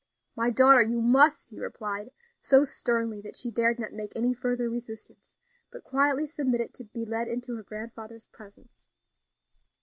"My daughter, you must," he replied, so sternly that she dared not make any further resistance, but quietly submitted to be led into her grandfather's presence.